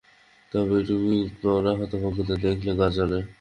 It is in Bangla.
তবে ঐ টুপিপরা হতভাগাদের দেখলে গা জ্বলে।